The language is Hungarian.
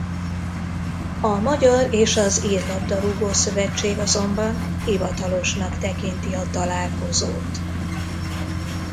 A magyar és az ír labdarúgó-szövetség azonban hivatalosnak tekinti a találkozót.